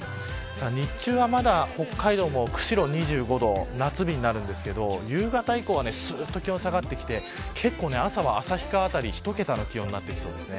日中は北海道も、釧路２５度夏日になりますが夕方以降は、気温が下がってきて朝は旭川辺り１桁の気温になりそうです。